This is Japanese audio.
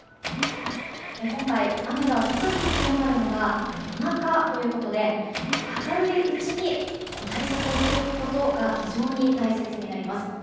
今回、雨が特に強まるのが夜中ということで明るいうちに対策をしておくことが非常に大切になります。